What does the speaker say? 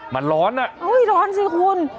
มันร้อนอ่ะร้อนสิคุณ